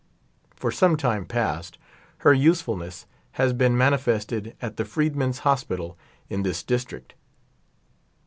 For some time past her usefulness has been manifested at the Freed man's Hospital in this District.